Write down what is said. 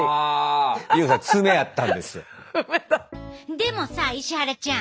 でもさ石原ちゃん。